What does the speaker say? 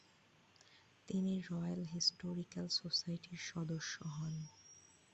তিনি Royal Historical সোসাইটির সদস্য হন।